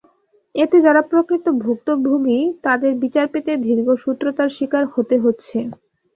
এতে যাঁরা প্রকৃত ভুক্তভোগী, তাঁদের বিচার পেতে দীর্ঘসূত্রতার শিকার হতে হচ্ছে।